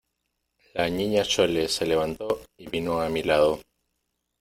la Niña Chole se levantó y vino a mi lado.